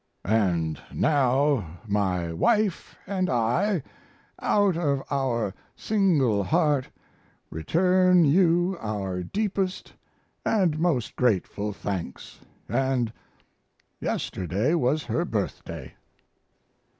And now my wife and I, out of our single heart, return you our deepest and most grateful thanks, and yesterday was her birthday.